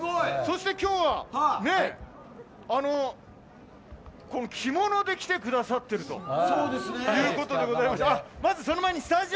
そして今日は着物で来てくださっているということでございまして。